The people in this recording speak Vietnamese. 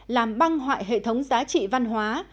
làm băng hoại hệ thống giá trị văn hóa